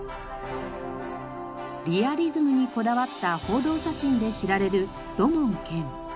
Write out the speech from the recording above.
リアリズムにこだわった報道写真で知られる土門拳。